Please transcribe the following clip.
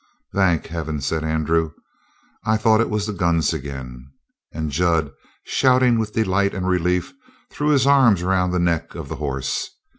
"Thank heaven!" said Andrew. "I thought it was the guns again!" And Jud, shouting with delight and relief, threw his arms around the neck of the horse.